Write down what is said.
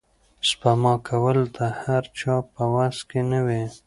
سپما کول د هر چا په وس کې نه وي.